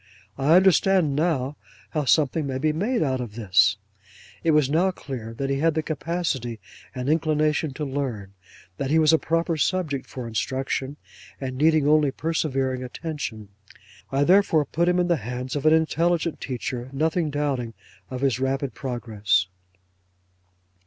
I understand now how something may be made out of this." 'It was now clear that he had the capacity and inclination to learn, that he was a proper subject for instruction, and needed only persevering attention. I therefore put him in the hands of an intelligent teacher, nothing doubting of his rapid progress.